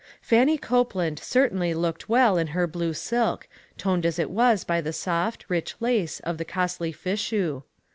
Fannie Copeland certainly looked well in her blue silk, toned as it was by the soft, rich lace of the costly fichu.